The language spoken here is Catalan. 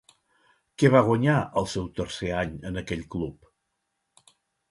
Què va guanyar al seu tercer any en aquell club?